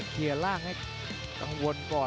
ละคร่างช่วยไว้ครับหมดโจ๊กที่๑